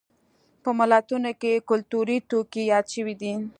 په متلونو کې کولتوري توکي یاد شوي دي